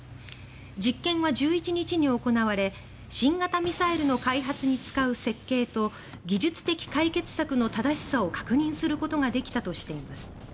実験は１１日に行われ新型ミサイルの開発に使う設計と技術的解決策の正しさを確認することができたとしています。